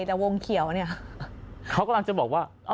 แต่วงเขียวเนี่ยเขากำลังจะบอกว่า